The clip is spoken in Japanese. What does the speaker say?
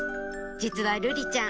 実は瑠璃ちゃん